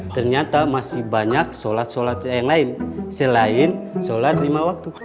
ternyata masih banyak sholat sholat yang lain selain sholat lima waktu